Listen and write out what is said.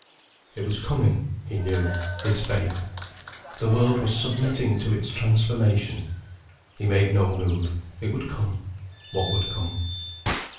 It was coming, he knew, his fate. The world was submitting to its transformation. He made no move: it would come, what would come.